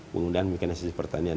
menggunakan mekanisasi pertanian